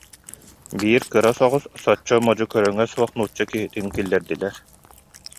Биир кыра соҕус, соччо модьу көрүҥэ суох нуучча киһитин киллэрдилэр